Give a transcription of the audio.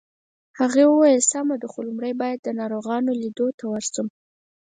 هغې وویل: سمه ده، خو لومړی باید د ناروغانو لیدو ته ورشم.